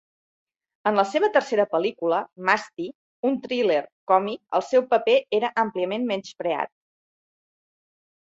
En la seva tercera pel·lícula, "Masti", un thriller còmic, el seu paper era àmpliament menyspreat.